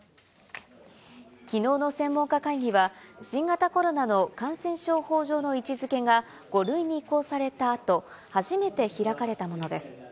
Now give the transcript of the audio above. きのうの専門家会議は、新型コロナの感染症法上の位置づけが５類に移行されたあと、初めて開かれたものです。